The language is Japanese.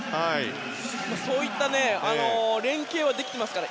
そういった連係はできてます。